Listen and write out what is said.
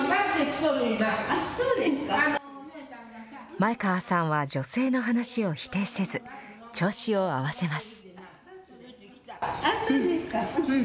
前川さんは女性の話を否定せず、調子を合わせます。